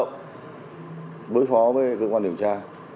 cũng có những hoạt động bối phó với cơ quan điều tra